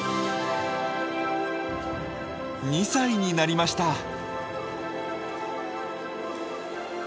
２歳になりました。